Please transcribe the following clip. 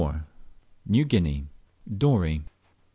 NEW GUINEA. DOREY.